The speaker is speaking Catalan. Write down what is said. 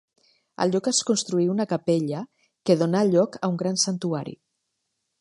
Al lloc es construí una capella, que donà lloc a un gran santuari.